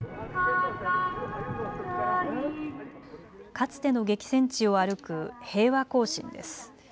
かつての激戦地を歩く平和行進です。